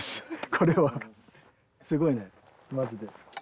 これはすごいねマジで。